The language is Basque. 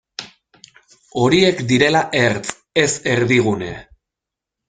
Horiek direla ertz, ez erdigune.